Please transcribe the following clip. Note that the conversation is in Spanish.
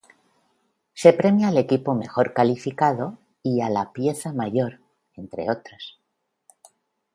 Se premia al Equipo Mejor Calificado y a la Pieza Mayor, entre otros.